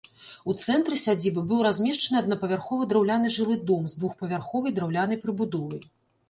У цэнтры сядзібы быў размешчаны аднапавярховы драўляны жылы дом з двухпавярховай драўлянай прыбудовай.